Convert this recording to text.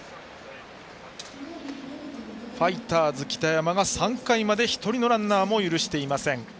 ファイターズ、北山が３回まで１人のランナーも許していません。